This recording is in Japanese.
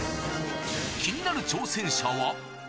気になる挑戦者は。